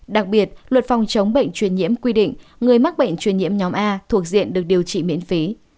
đặc biệt luật phòng chống bệnh truyền nhiễm quy định người mắc bệnh truyền nhiễm nhóm a thuộc diện được điều trị miễn phí